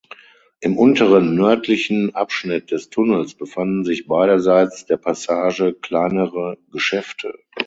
Im unteren, nördlichen Abschnitt des Tunnels befanden sich beiderseits der Passage kleinere Geschäfte.